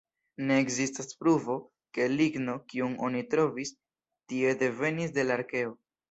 Ne ekzistas pruvo, ke ligno, kiun oni trovis tie, devenis de la arkeo.